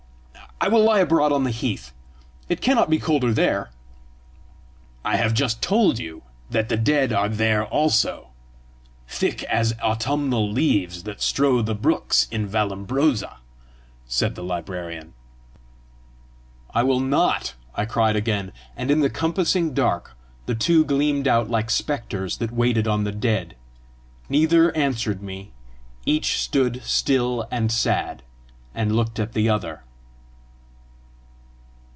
I will lie abroad on the heath; it cannot be colder there!" "I have just told you that the dead are there also, 'Thick as autumnal leaves that strow the brooks In Vallombrosa,'" said the librarian. "I will NOT," I cried again; and in the compassing dark, the two gleamed out like spectres that waited on the dead; neither answered me; each stood still and sad, and looked at the other.